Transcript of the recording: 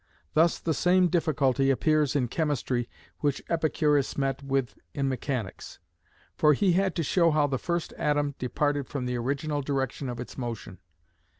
Thus the same difficulty appears in chemistry which Epicurus met with in mechanics. For he had to show how the first atom departed from the original direction of its motion.